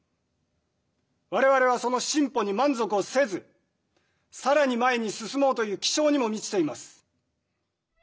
我々はその進歩に満足をせず更に前に進もうという気象にも満ちています。